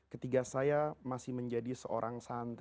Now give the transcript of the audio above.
ketika saya masih menjadi seorang seorang guru guru saya